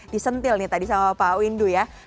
disentil nih tadi sama pak windu ya